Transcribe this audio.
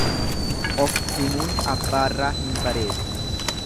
Of himuun abbaarraa hin baareedu.